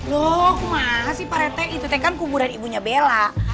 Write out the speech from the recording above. loh makasih pak rete itu teh kan kuburan ibunya bella